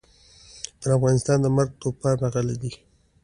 پر افغانستان د مرګ توپان راغلی دی.